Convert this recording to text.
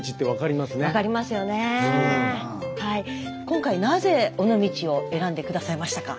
今回なぜ尾道を選んで下さいましたか？